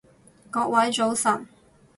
各位早晨